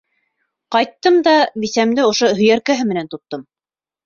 Ҡайттым да бисәмде ошо һөйәркәһе менән тоттом!